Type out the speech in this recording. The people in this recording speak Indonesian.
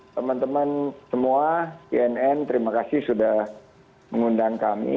teman teman semua cnn terima kasih sudah mengundang kami